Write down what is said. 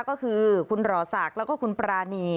ก็คือคุณหล่อศักดิ์แล้วก็คุณปรานี